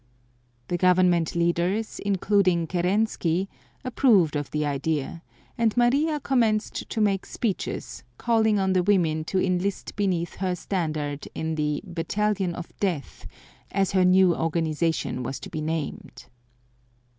The Government leaders, including Kerensky, approved of the idea; and Maria commenced to make speeches, calling on the women to enlist beneath her standard in the "Battalion of Death," as her new organization was to be named.